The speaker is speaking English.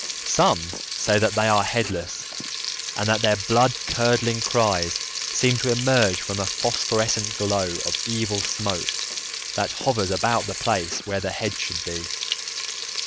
Some say that they are headless, and that their blood curdling cries seem to emerge from a phosphorescent glow of evil smoke that hovers about the place where the head should be.